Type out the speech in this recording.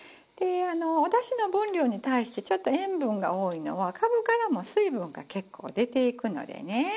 でおだしの分量に対してちょっと塩分が多いのはかぶからも水分が結構出ていくのでね。